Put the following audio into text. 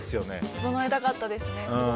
整えたかったですね。